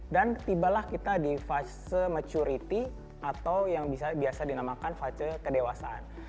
dan tibalah kita di fase maturity atau yang biasa dinamakan fase kedewasaan